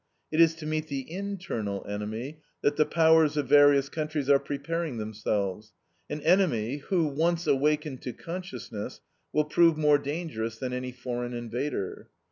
It is to meet the internal enemy that the Powers of various countries are preparing themselves; an enemy, who, once awakened to consciousness, will prove more dangerous than any foreign invader.